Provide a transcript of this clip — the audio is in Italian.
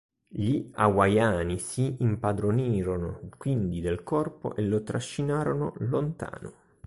Gli hawaiani si impadronirono quindi del corpo e lo trascinarono lontano.